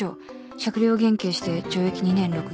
酌量減軽して懲役２年６月